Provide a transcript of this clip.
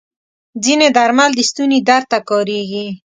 ځینې درمل د ستوني درد ته کارېږي.